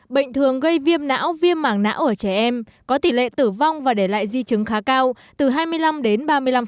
bệnh thường gây viêm não viêm mảng não ở trẻ em có tỷ lệ tử vong và để lại di chứng khá cao từ hai mươi năm đến ba mươi năm